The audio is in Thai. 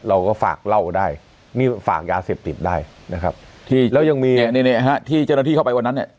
เราก็ฝากเล่าได้นี่ฝากยาเสพติดได้นะครับที่แล้วยังมีเนี่ยฮะที่เจ้าหน้าที่เข้าไปวันนั้นเนี่ย